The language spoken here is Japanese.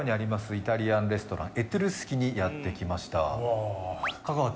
イタリアンレストランエトゥルスキにやってきました